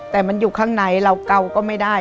แต่มันอยู่ข้างในเราเกาก็ไม่ได้